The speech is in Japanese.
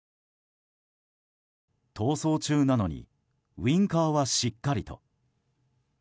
逃走中なのにウィンカーはしっかりと。